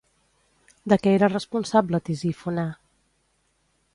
De què era responsable Tisífone?